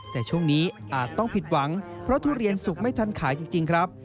แต่ช่วงนี้อาจต้องผิดหวังเพราะทุเรียนสุกไม่ทันขายจริงครับ